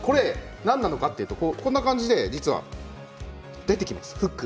何なのかというと、こんな感じでフックが出てきます。